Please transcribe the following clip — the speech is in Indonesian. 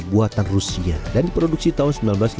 buatan rusia dan diproduksi tahun seribu sembilan ratus delapan puluh